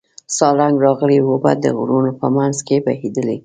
سالنګ راغلې اوبه د غرونو په منځ کې بهېدلې.